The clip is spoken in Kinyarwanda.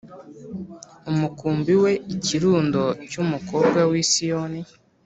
umukumbi we ikirundo cy umukobwa w i Siyoni